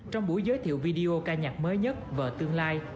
trong buổi giới thiệu video ca nhạc mới nhất và tương lai